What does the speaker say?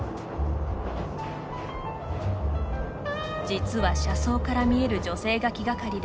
実は、車窓から見える女性が気がかりで